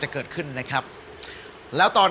ใครได้จะกลับบ้านก่อน